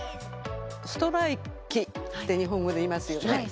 ストライキって日本語で言いますよね。